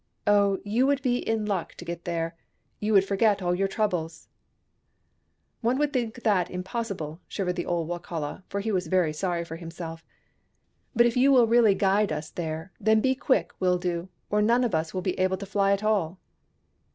" Oh, you would be in luck to get there — you would forget all your troubles." " One would think that impossible," shivered the old Wokala — he was very sorry for himself. " But if you will really guide us there, then be quick, Wildoo, or none of us will be able to fly at all."